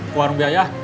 ke warung biaya